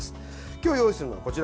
今日、用意するのはこちら。